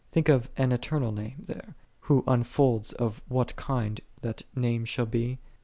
"'7 Think of "an eternal name" there. l8 Who unfolds of what kind thai name shall be